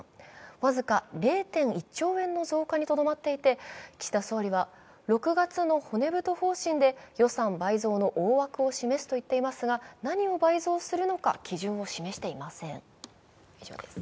僅か０．１兆円の増加にとどまっていて、岸田総理は６月の骨太方針で予算倍増の大枠を示すと言っていますが何を倍増するのか、基準を示していません。